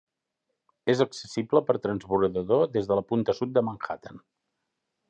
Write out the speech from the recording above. És accessible per transbordador des de la punta sud de Manhattan.